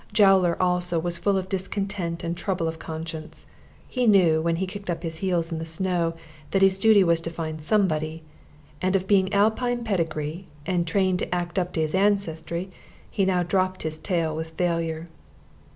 Jowler also was full of discontent and trouble of conscience. He knew, when he kicked up his heels in the snow, that his duty was to find somebody, and being of Alpine pedigree, and trained to act up to his ancestry, he now dropped his tail with failure.